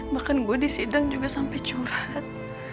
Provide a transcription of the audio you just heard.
bahkan gue disidang juga sampai curhat